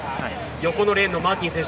横のレーンのマーティン選手